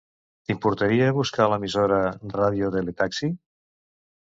T'importaria buscar l'emissora "Radio Tele Taxi"?